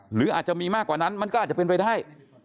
หรืออาจจะมีมากกว่านั้นมันก็อาจจะเป็นไปได้